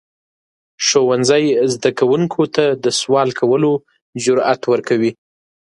ښوونځی زده کوونکو ته د سوال کولو جرئت ورکوي.